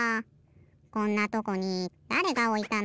こんなとこにだれがおいたの？